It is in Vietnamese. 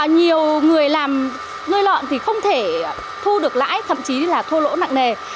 nhiều người làm nuôi lợn thì không thể thu được lãi thậm chí là thua lỗ nặng nề